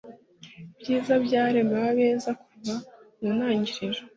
Ibyiza byaremewe abeza kuva mu ntangiriro,